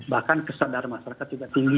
bahkan kesadaran masyarakat juga tinggi